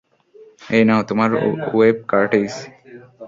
এই নাও তোমার ওয়েব কার্ট্রিজ।